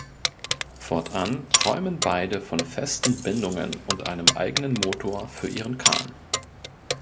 Fortan träumen beide von festen Bindungen und einem eigenen Motor für ihren Kahn.